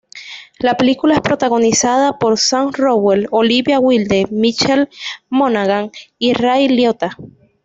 La película es protagonizada por Sam Rockwell, Olivia Wilde, Michelle Monaghan y Ray Liotta.